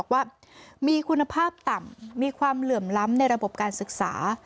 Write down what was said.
ว่ามีคุณภาพต่ำมีความเหลื่อมล้ำในระบบการศึกษา